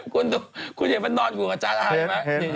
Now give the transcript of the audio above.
คุณดูคุณเห็นมันนอนกับจานอาหารไหม